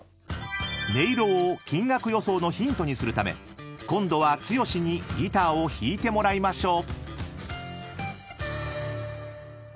［音色を金額予想のヒントにするため今度は剛にギターを弾いてもらいましょう］